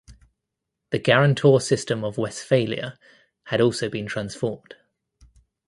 The guarantor system of Westphalia had also been transformed.